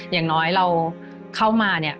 อย่างน้อยเราเข้ามาเนี่ย